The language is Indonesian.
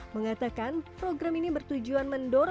mengatakan program ini bertujuan mendorong peningkatan pengelolaan sampah